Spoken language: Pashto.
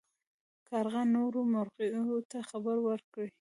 کارغه نورو مرغیو ته خبر ورکړ.